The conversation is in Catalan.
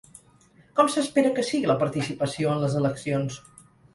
Com s'espera que sigui la participació en les eleccions?